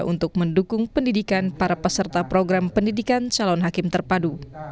untuk mendukung pendidikan para peserta program pendidikan calon hakim terpadu